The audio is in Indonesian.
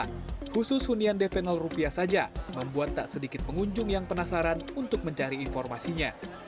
khusus hunian dp rupiah saja membuat tak sedikit pengunjung yang penasaran untuk mencari informasinya